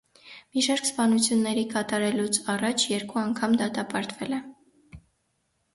Մի շարք սպանությունների կատարելուց առաջ երկու անգամ դատապարտվել է։